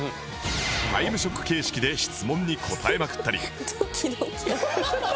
『タイムショック』形式で質問に答えまくったり